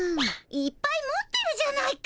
いっぱい持ってるじゃないか。